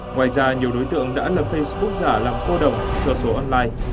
ngoài ra nhiều đối tượng đã lập facebook giả làm cô đồng cho số online